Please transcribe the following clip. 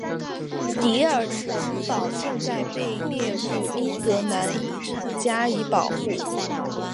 迪尔城堡现在被列入英格兰遗产加以保护。